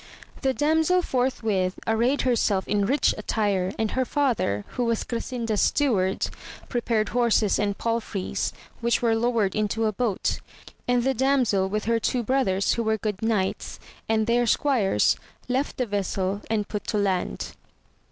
The damsel forthwith arrayed herself in rich attire, and her father, who was Grasinda's steward, prepared horses and palfreys, which were lowered into a boat; and the damsel with her two brothers, who were good knights, and their squires, left the vessel and put to land.